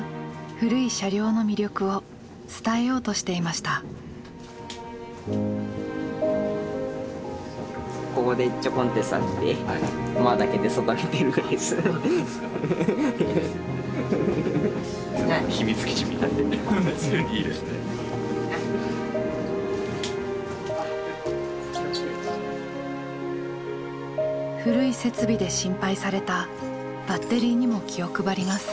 古い設備で心配されたバッテリーにも気を配ります。